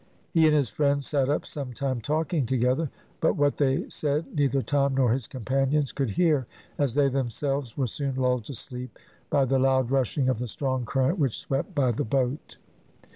He and his friend sat up some time talking together, but what they said neither Tom nor his companions could hear, as they themselves were soon lulled to sleep by the loud rushing of the strong current which swept by the boat.